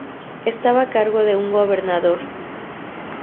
Estaba a cargo de un Gobernador.